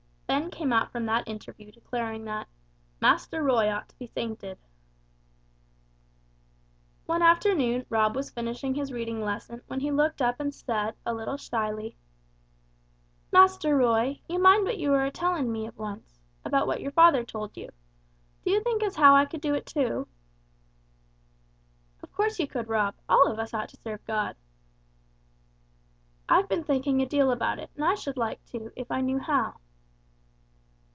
Ben came out from that interview declaring that "Master Roy ought to be sainted!" One afternoon Rob was finishing his reading lesson when he looked up and said, a little shyly, "Master Roy, you mind what you were a telling me of once about what your father told you. Do you think as how I could do it too?" "Of course you could, Rob. All of us ought to serve God." "I've been thinking a deal about it, and I should like to, if I knew how."